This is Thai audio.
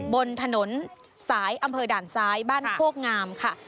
บนถนนสายอำเภอด่านซ้ายบ้านโคกงามค่ะ